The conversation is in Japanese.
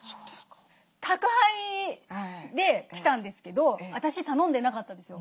宅配で来たんですけど私頼んでなかったんですよ。